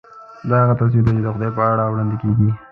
دا هغه تصویر دی چې خدای په اړه وړاندې کېږي.